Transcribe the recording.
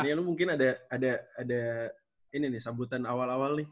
ini lu mungkin ada ada ada ini nih sambutan awal awal nih